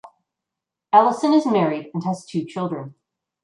Ellison is married and has two children.